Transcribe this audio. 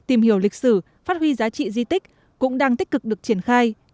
tìm hiểu lịch sử phát huy giá trị di tích cũng đang tích cực được triển khai